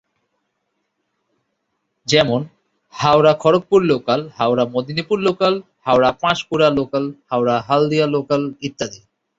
যেমন- হাওড়া-খড়গপুর local, Howrah-Medinipur local, Howrah-Panskura local, Howrah-Haldia local ইত্যাদি।